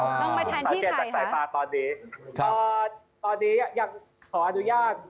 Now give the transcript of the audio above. ลงมาทางที่ใครฮะค่ะตอนนี้อย่างขออนุญาต